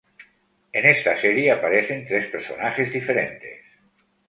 En esta serie aparecen tres personajes diferentes.